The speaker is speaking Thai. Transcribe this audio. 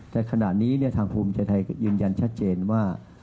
แต่ขณะนี้ทางภูมิใจไทยยืนยันชัดเจนว่า